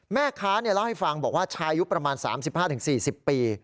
แม่ค้าเล่าให้ฟังบอกว่าชายุคประมาณ๓๕๔๐ปี